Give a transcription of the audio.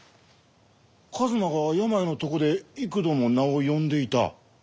一馬が病の床で幾度も名を呼んでいた。